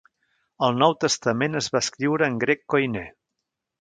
El Nou Testament es va escriure en grec koiné.